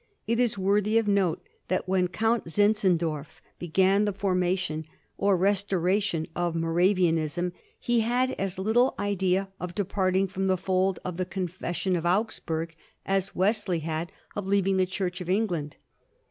It is worthy of note that when Count Zinzendorf began the formation or res 1788. WESLEY»S SUPERSTITION. 135 toration of Moravianism he had as little idea of depart ing from the fold of the Confession of Augsburg as Wes ley had of leaving the Church of England.